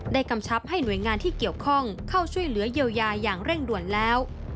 กำชับให้หน่วยงานที่เกี่ยวข้องเข้าช่วยเหลือเยียวยาอย่างเร่งด่วนแล้ว